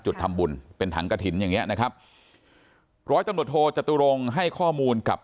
จุดทำบุญเป็นถังกระถิ่นอย่างเงี้ยนะครับร้อยตำรวจโทจตุรงค์ให้ข้อมูลกับ